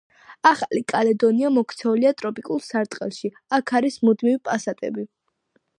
ახალი კალედონია მოქცეულია ტროპიკულ სარტყელში, აქ არის მუდმივი პასატები.